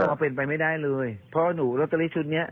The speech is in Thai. มันเป็นไปไม่ได้เลยเพราะว่าหนูลอตเตอรี่ชุดนี้